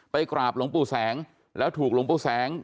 กราบหลวงปู่แสงแล้วถูกหลวงปู่แสง